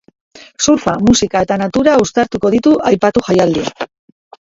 Surfa, musika eta natura uztartuko ditu aipatu jaialdiak.